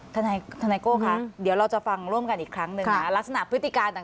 ทนายโก้คะเดี๋ยวเราจะฟังร่วมกันอีกครั้งหนึ่งนะลักษณะพฤติการต่าง